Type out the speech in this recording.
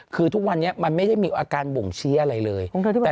คือทุกวันนี้มันไม่ได้มีอาการบ่งชี้อะไรเลย